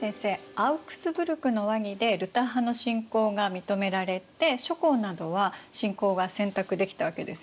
アウクスブルクの和議でルター派の信仰が認められて諸侯などは信仰が選択できたわけですよね。